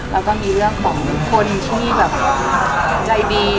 แล้วก็มีเรื่องของคนที่แบบใจดี